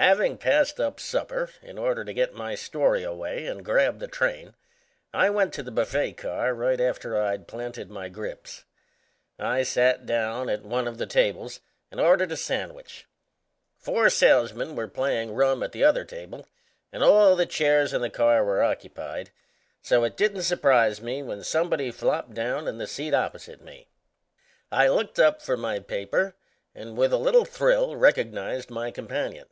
Having passed up supper in order to get my story away and grab the train, I went to the buffet car right after I'd planted my grips. I sat down at one of the tables and ordered a sandwich. Four salesmen were playing rum at the other table and all the chairs in the car were occupied; so it didn't surprise me when somebody flopped down in the seat opposite me. I looked up from my paper and with a little thrill recognized my companion.